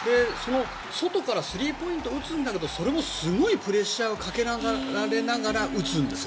外からスリーポイントを打つんだけどそれもすごいプレッシャーをかけられながら打つんです。